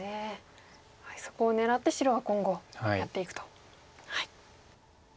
そこを狙って白は今後やっていくと。